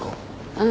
うん。